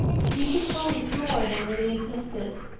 You supposed more than really existed.